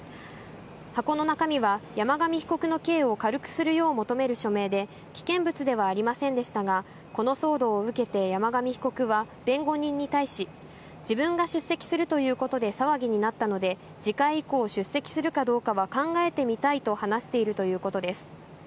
箱の中身は、山上被告の刑を軽くするよう求める署名で、危険物ではありませんでしたが、この騒動を受けて山上被告は弁護人に対し、自分が出席するということで騒ぎになったので、次回以降、出席するかどうかは考えてみたいと話しているということです。